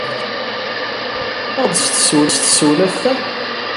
Ad aɣ-d-tṣewwred s tsewlaft-a?